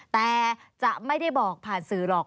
แต่จะไม่ได้บอกผ่านสื่อหรอก